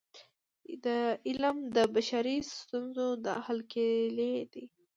علم د بشري ستونزو د حل کيلي ده.